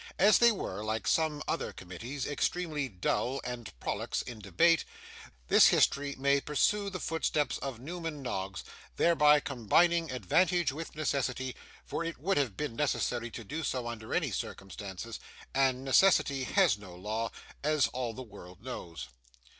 As they were, like some other committees, extremely dull and prolix in debate, this history may pursue the footsteps of Newman Noggs; thereby combining advantage with necessity; for it would have been necessary to do so under any circumstances, and necessity has no law, as all the world knows.